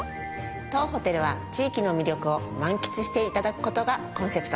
当ホテルは地域の魅力を満喫して頂く事がコンセプト。